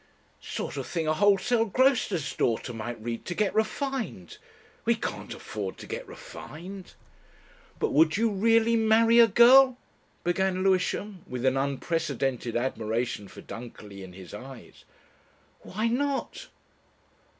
Sort of thing a wholesale grocer's daughter might read to get refined. We can't afford to get refined." "But would you really marry a girl ...?" began Lewisham, with an unprecedented admiration for Dunkerley in his eyes. "Why not?"